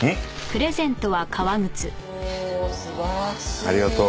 ありがとう。